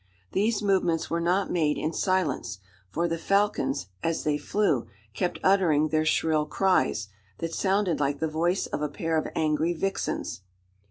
These movements were not made in silence: for the falcons, as they flew, kept uttering their shrill cries that sounded like the voice of a pair of angry vixens.